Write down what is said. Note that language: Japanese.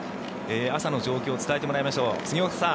朝の状況を伝えてもらいましょう杉岡さん。